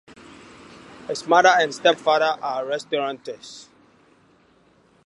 His mother and stepfather are restaurateurs.